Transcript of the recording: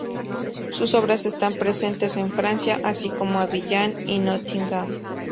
Sus obras están presentes en Francia, así como Abiyán y Nottingham.